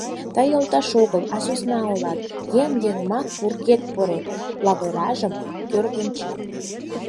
— Тый йолташ огыл, а сӧсна улат, еҥ йымак пургед пурет, лавыражым кӧргынчат...